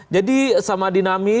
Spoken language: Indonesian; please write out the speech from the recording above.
jadi sama dinamis